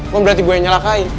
lo berarti gue yang nyalakain